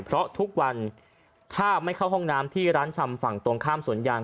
เพราะทุกวันถ้าไม่เข้าห้องน้ำที่ร้านชำฝั่งตรงข้ามสวนยาง